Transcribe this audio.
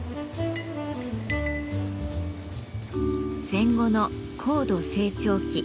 戦後の高度成長期。